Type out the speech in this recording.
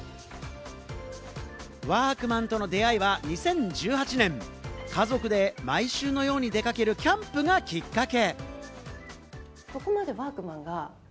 ワークマンとの出会いは２０１８年、家族で毎週のように出かけるキャンプがきっかけ。